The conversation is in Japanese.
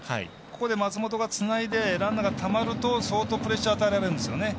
ここで松本がつないでランナーがたまると相当、プレッシャー与えられるんですよね。